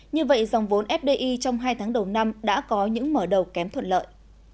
như vậy dòng vốn fdi trong hai tháng đầu năm đã có những mở đầu kém thuận lợi